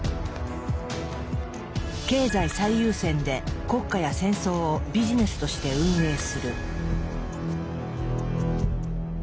経済最優先で国家や戦争をビジネスとして運営する。